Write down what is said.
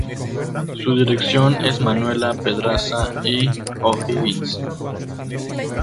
Su dirección es Manuela Pedraza y O'Higgins.